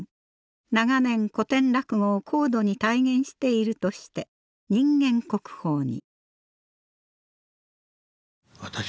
「長年古典落語を高度に体現している」として人間国宝に。